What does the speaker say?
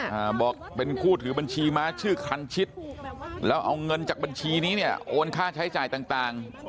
บอกเป็นผู้ถือบัญชีม้าชื่อคันชิดแล้วเอาเงินจากบัญชีนี้เนี่ยโอนค่าใช้จ่ายต่างต่าง